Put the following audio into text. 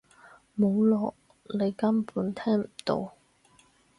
冇囉！你根本聽唔到！